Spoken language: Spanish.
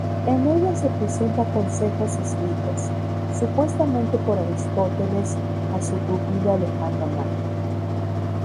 En ella se presenta consejos escritos, supuestamente, por Aristóteles a su pupilo Alejandro Magno.